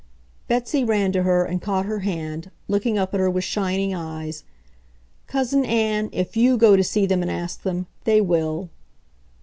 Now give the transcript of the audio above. Betsy ran to her, and caught her hand, looking up at her with shining eyes. "Cousin Ann, if YOU go to see them and ask them, they will!"